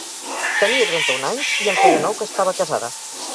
Tenia trenta-un anys, i en feia nou que estava casada.